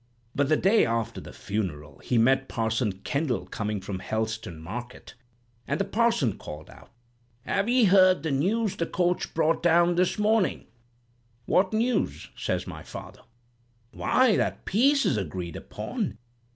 But the day after the funeral, he met Parson Kendall coming from Helston market; and the parson called out: 'Have 'ee heard the news the coach brought down this mornin'?' 'What news?' says my father. 'Why, that peace is agreed upon.'